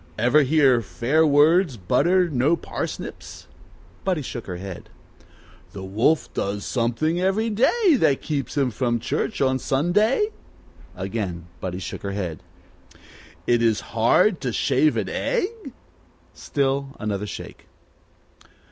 Ever hear, Fair words butter no parsnips?" Buddie shook her head. "The wolf does something every day that keeps him from church on Sunday ?" Again Buddy shook her head. "It is hard to shave an egg ?" Still another shake.